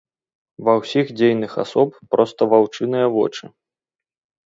Ва ўсіх дзейных асоб проста ваўчыныя вочы.